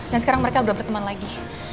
dan sekarang mereka udah berteman lagi